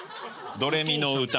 「ドレミの歌」。